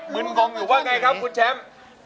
ึนงงอยู่ว่าไงครับคุณแชมป์